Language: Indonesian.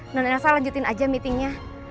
non saya lanjutin aja meeting nya